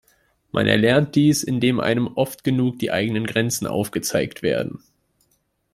Man erlernt dies, indem einem oft genug die eigenen Grenzen aufgezeigt werden.